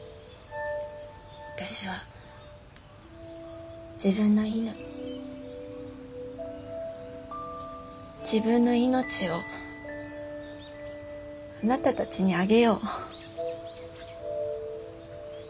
私は自分のいの自分の命をあなたたちにあげよう』」。